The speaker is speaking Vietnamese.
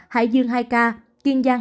hải dương hai ca kiên giang